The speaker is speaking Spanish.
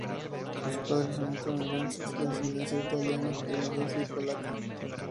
Sus padres son estadounidenses de ascendencia italiana, irlandesa y polaca.